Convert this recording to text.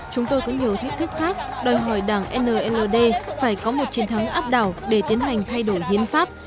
chúng tôi có nhiều thách thức khác đòi hỏi đảng nld phải có một chiến thắng áp đảo để tiến hành thay đổi hiến pháp